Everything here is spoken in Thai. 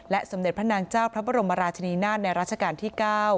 สมเด็จพระนางเจ้าพระบรมราชนีนาฏในราชการที่๙